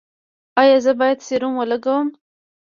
ایا زه باید سیروم ولګوم؟